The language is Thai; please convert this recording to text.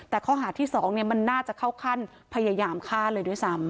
แต่ข้อหาที่๒มันน่าจะเข้าขั้นพยายามฆ่าเลยด้วยซ้ำ